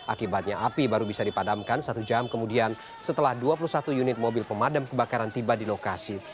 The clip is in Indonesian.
akibatnya api baru bisa dipadamkan satu jam kemudian setelah dua puluh satu unit mobil pemadam kebakaran tiba di lokasi